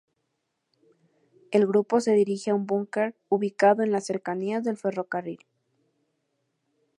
El grupo se dirige a un búnker ubicado en las cercanías del ferrocarril.